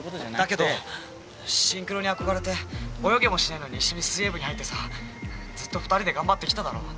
だけどシンクロにあこがれて泳げもしないのに一緒に水泳部に入ってさずっと２人で頑張ってきただろう。